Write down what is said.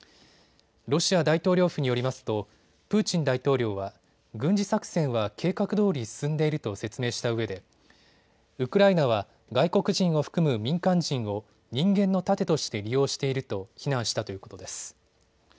ロシア大統領府によりますとプーチン大統領は軍事作戦は計画どおり進んでいると説明したうえでウクライナは外国人を含む民間人を人間の盾として利用していると非難したということです。